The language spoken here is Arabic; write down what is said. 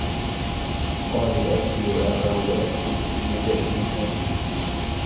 قالوا أرجه وأخاه وأرسل في المدائن حاشرين